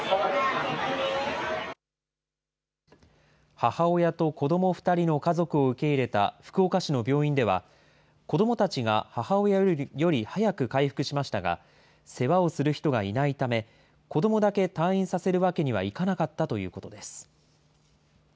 母親と子ども２人の家族を受け入れた福岡市の病院では、子どもたちが母親より早く回復しましたが、世話をする人がいないため、子どもだけ退院させるわけにはいかなかったということです。